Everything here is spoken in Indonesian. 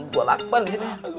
gue lakman sih